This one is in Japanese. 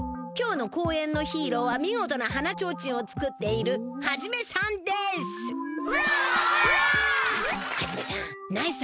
今日の公園のヒーローは見事なはなちょうちんを作っているハジメさんです！